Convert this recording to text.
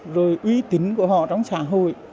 rồi uy tín của họ trong xã hội